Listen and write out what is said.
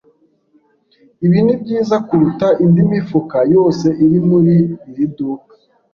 Ibi nibyiza kuruta indi mifuka yose iri muri iri duka.